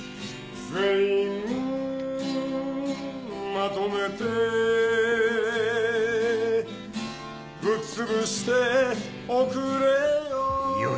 「全員まとめて」「ぶっつぶしておくれよ」